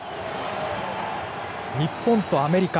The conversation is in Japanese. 日本とアメリカ。